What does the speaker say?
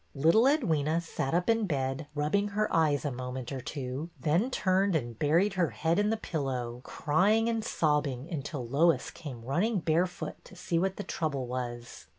Little Edwyna sat up in bed rubbing her eyes a moment or two, then turned and buried her head in the pillow, crying and sobbing until Lois came running barefoot to see what the trouble was.